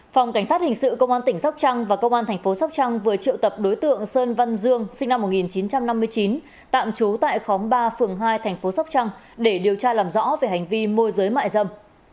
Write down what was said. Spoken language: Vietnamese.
phòng cảnh sát hình sự công an tỉnh sóc trăng và công an thành phố sóc trăng vừa triệu tập đối tượng sơn văn dương sinh năm một nghìn chín trăm năm mươi chín tạm trú tại khóm ba phường hai thành phố sóc trăng để điều tra làm rõ về hành vi môi giới mại dâm